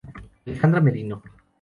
Alejandra Merino.